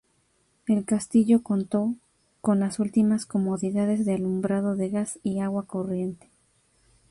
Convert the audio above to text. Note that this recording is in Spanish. El castillo contó con las últimas comodidades de alumbrado de gas y agua corriente.